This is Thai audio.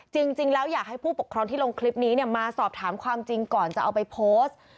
จริงแล้วอยากให้ผู้ปกครองที่ลงคลิปนี้มาสอบถามความจริงก่อนจะเอาไปโพสต์